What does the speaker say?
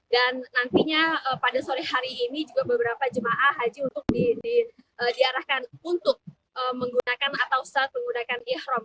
dan nantinya pada sore hari ini juga beberapa jemaah haji untuk diarahkan untuk menggunakan atau setelah menggunakan ihram